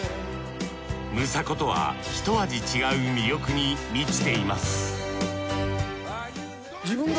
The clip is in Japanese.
ムサコとは一味違う魅力に満ちています自分が。